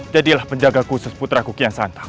jadilah penjaga khusus putra kukian santang